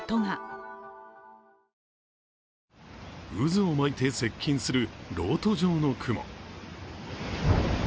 渦を巻いて接近する漏斗状の雲。